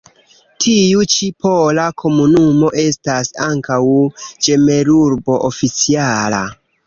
Tiu ĉi pola komunumo estas ankaŭ ĝemelurbo oficiala.